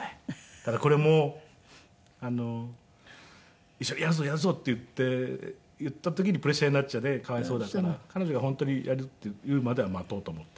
ただこれも「一緒にやるぞやるぞ」って言って言った時にプレッシャーになっちゃねかわいそうだから彼女が本当に「やる」って言うまでは待とうと思っている。